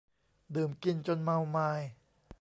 ดื่มกินจนเมามาย